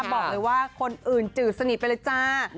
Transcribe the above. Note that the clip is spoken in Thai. บอกเลยว่าคนอื่นจืดสนิทไปเลยจ้า